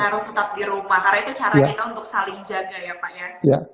harus tetap di rumah karena itu cara kita untuk saling jaga ya pak ya